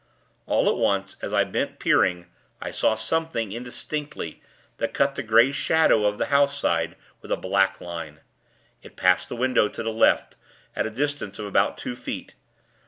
All at once, as I bent, peering, I saw something, indistinctly, that cut the grey shadow of the house side, with a black line. It passed the window, to the left, at a distance of about two feet.